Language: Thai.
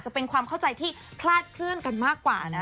จะเป็นความเข้าใจที่คลาดเคลื่อนกันมากกว่านะ